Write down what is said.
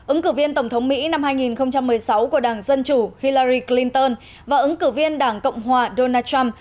ứng cử viên tổng thống mỹ năm hai nghìn một mươi sáu của đảng dân chủ hillary clinton và ứng cử viên đảng cộng hòa donald trump